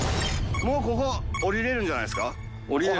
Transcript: もうここ下りられるんじゃないですか？